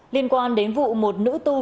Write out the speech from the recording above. liên quan đến vụ một nữ tu bệnh